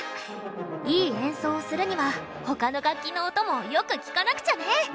いい演奏をするには他の楽器の音もよく聴かなくちゃね。